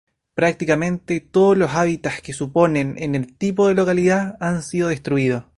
Prácticamente todos los hábitat que suponen en el tipo de localidad han sido destruidos.